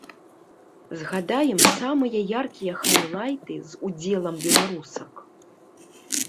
Згадаем самыя яркія хайлайты з удзелам беларусак.